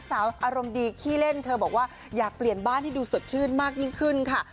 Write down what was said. อารมณ์ดีขี้เล่นเธอบอกว่าอยากเปลี่ยนบ้านให้ดูสดชื่นมากยิ่งขึ้นค่ะ